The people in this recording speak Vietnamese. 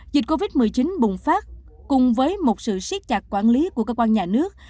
dịch covid một mươi chín bùng phát cùng với một sự siết chặt quản lý của cơ quan nhà nước